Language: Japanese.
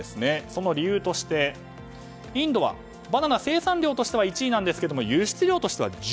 その理由としてインドはバナナ生産量としては１位なんですが輸出量としては１０位。